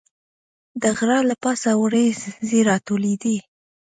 د غره له پاسه وریځې راټولېدې.